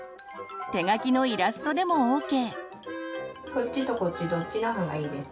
手書きのイラストでもＯＫ！